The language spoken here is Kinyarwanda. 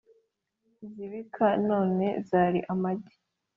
Izibika none zari amagi